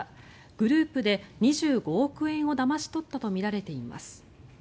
グループで２５億円をだまし取ったとみられています。